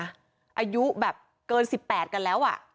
อายุแบบเกิน๑๘กันแล้ว